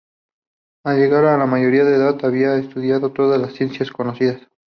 Al llegar a la mayoría de edad había estudiado todas las ciencias conocidas.